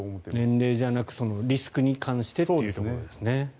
年齢じゃなくリスクに関してというところですね。